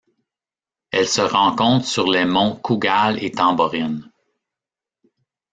Elle se rencontre sur les monts Cougal et Tamborine.